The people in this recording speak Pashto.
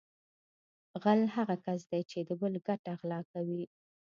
غل هغه کس دی چې د بل ګټه غلا کوي